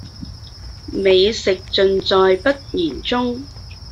美食盡在不言中